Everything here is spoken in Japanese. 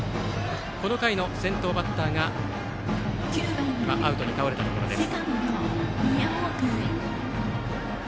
この回の先頭バッターが今アウトに倒れたところです。